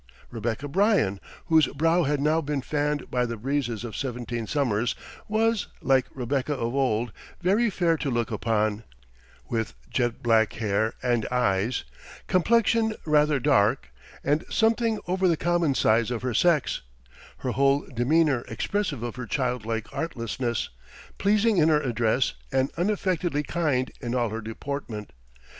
Rebecca Bryan, whose brow had now been fanned by the breezes of seventeen summers, was, like Rebecca of old, 'very fair to look upon,' with jet black hair and eyes, complexion rather dark, and something over the common size of her sex; her whole demeanor expressive of her childlike artlessness, pleasing in her address, and unaffectedly kind in all her deportment.